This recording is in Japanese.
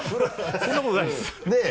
そんなことないです！ねぇ。